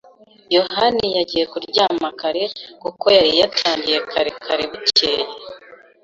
yohani yagiye kuryama kare kuko yari yatangiye kare kare bukeye.